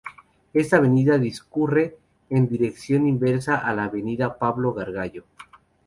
Esta avenida discurre en dirección inversa a la Avenida de Pablo Gargallo.